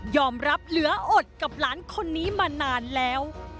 รับเหลืออดกับหลานคนนี้มานานแล้ว